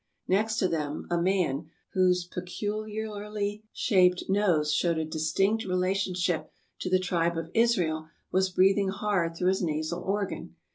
Next to them a man, whose peculiarly shaped nose showed a distinct re lationship to the tribe of Israel, was breathing hard through his nasal organ.